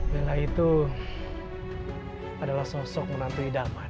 bella itu adalah sosok menantui daman